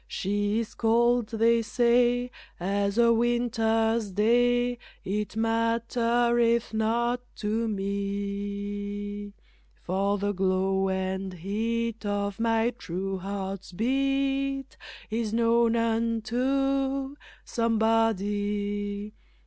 She is cold, they say, as a winter's day, It mattereth not to me, For the glow and heat of my true heart's beat Is known unto somebody.